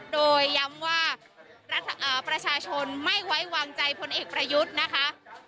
โดยย้ำว่าประชาชนไม่ไว้วางใจพลเอกประยุทธ์นะคะ